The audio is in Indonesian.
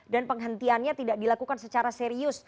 dan penghentiannya tidak dilakukan secara serius